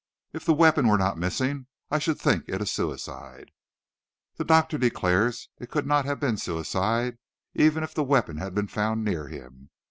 If the weapon were not missing, I should think it a suicide." "The doctor declares it could not have been suicide, even if the weapon had been found near him.